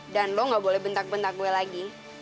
dan lo ga boleh bentak bentak gue lagi